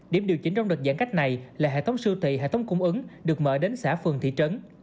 điểm điều chỉnh trong đợt giãn cách này là hệ thống siêu thị hệ thống cung ứng được mở đến xã phường thị trấn